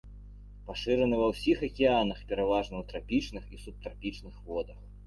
Пашыраны ва ўсіх акіянах, пераважна ў трапічных і субтрапічных водах.